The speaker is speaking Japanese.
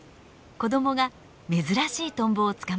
子どもが珍しいトンボを捕まえました。